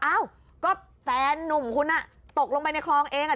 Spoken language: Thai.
เอ้าก็แฟนนุ่มคุณน่ะตกลงไปในคลองเองอ่ะ